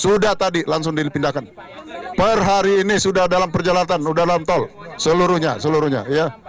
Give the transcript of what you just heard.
sudah tadi langsung dipindahkan per hari ini sudah dalam perjalanan sudah dalam tol seluruhnya seluruhnya ya